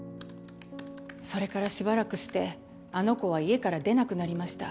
それからしばらくしてあの子は家から出なくなりました。